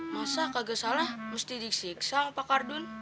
masa kagak salah mesti disiksa sama pak kardun